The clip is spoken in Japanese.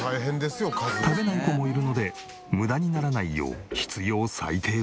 食べない子もいるので無駄にならないよう必要最低分。